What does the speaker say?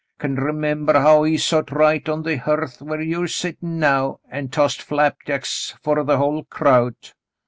I c'n remember how he sot right on the hearth where you're settin' now, an' tossed flapjacks fer th' hull crowd.